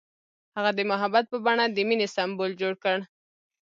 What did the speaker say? هغه د محبت په بڼه د مینې سمبول جوړ کړ.